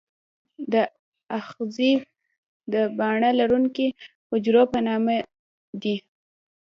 دا آخذې د باڼه لرونکي حجرو په نامه دي.